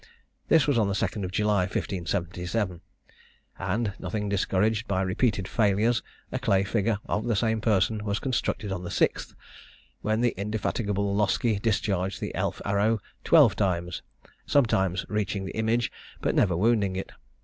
This was on the 2nd of July, 1577; and nothing discouraged by repeated failures, a clay figure of the same person was constructed on the 6th, when the indefatigable Loskie discharged the elf arrow twelve times, sometimes reaching the image, but never wounding it.